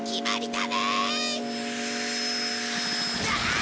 だあ！